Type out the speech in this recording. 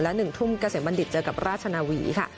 และ๑ทุ่มเกษมบัณฑิตเจอกับราชนาวีค่ะ